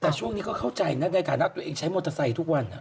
แต่ช่วงนี้ก็เข้าใจนะในฐานะตัวเองใช้มอเตอร์ไซค์ทุกวัน